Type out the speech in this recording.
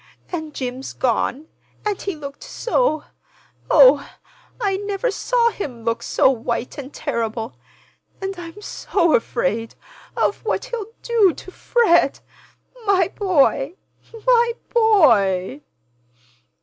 And Jim's gone. But he looked so—oh, I never saw him look so white and terrible. And I'm so afraid—of what he'll do—to Fred. My boy—my boy!"